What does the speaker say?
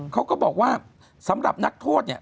เขาก็บอกว่าสำหรับนักโทษ